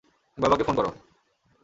বাবাকে ফোন কর।